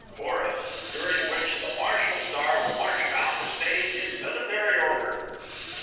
Chorus (_during which the Martial Star will march round the stage in military order.